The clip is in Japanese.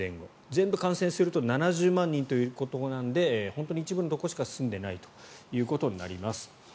全部完成すると７０万人ということなので本当に一部のところにしか住んでいないことになります。